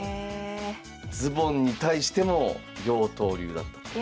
ズボンに対しても妖刀流だった。